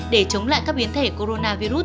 để chống lại các biến thể coronavirus